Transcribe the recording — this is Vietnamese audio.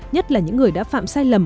nhất là những người đã phạm sai lầm